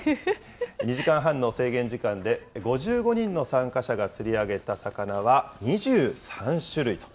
２時間半の制限時間で、５５人の参加者が釣り上げた魚は２３種類と。